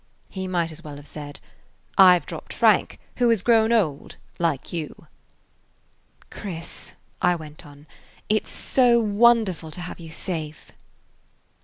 He might as well have said, "I 've dropped Frank, who had grown old, like you." "Chris," I went on, "it 's so wonderful to have you safe."